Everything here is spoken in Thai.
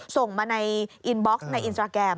ส่งมาในอินบ็อกซ์ในอินสตราแกรม